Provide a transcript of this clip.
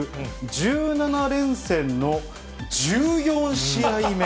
１７連戦の１４試合目。